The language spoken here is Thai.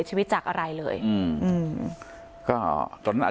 ชั่วโมงตอนพบศพ